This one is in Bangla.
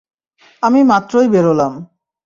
আমি মাত্রই বেরোলাম।